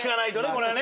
これはね。